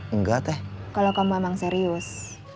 enggak teh kalau kamu memang serius